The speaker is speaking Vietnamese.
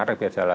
rặc biệt là